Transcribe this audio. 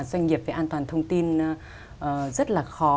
doanh nghiệp về an toàn thông tin rất là khó